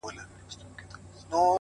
هره ورځ نوی فرصت لري